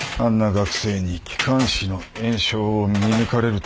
学生に気管支の炎症を見抜かれるとは。